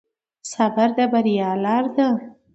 صبر د بریا لاره ده.